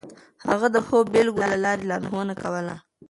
هغه د ښو بېلګو له لارې لارښوونه کوله.